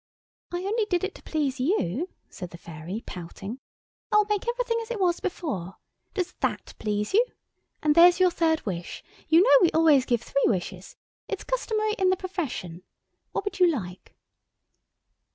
"I only did it to please you," said the Fairy pouting. "I'll make everything as it was before. Does that please you? And there's your third wish. You know we always give three wishes. It's customary in the profession. What would you like?"